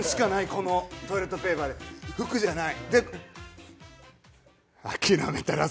このトイレットペーパーで拭くじゃない、まだ使える。